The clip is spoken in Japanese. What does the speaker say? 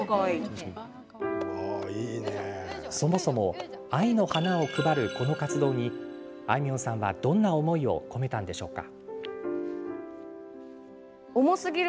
そもそも愛の花を配るこの活動にあいみょんさんはどんな思いを込めたんでしょうか。